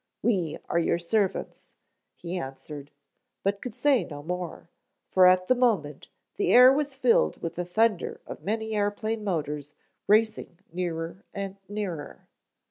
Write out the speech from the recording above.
"We are your servants," he answered but could say no more, for at the moment the air was filled with the thunder of many airplane motors racing nearer and nearer.